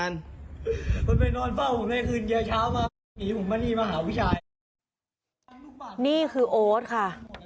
นี่คือโอ๊ตค่ะ